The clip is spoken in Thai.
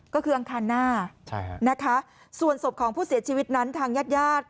ก็คืออังคารหน้านะคะส่วนศพของผู้เสียชีวิตนั้นทางญาติญาติ